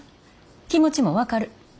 気持ちも分かる。